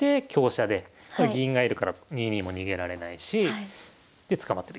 銀が居るから２二も逃げられないしで捕まってる。